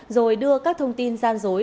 rồi đưa các thông tin gian dối